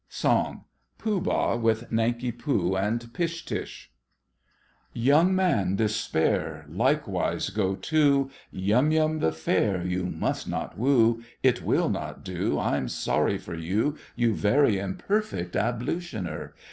SONG—POOH BAH with NANKI POO and PISH TUSH. Young man, despair, Likewise go to, Yum Yum the fair You must not woo. It will not do: I'm sorry for you, You very imperfect ablutioner!